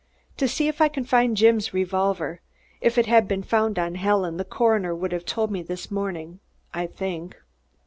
"To see if I can find Jim's revolver. If it had been found on Helen, the coroner would have told me this morning, I think.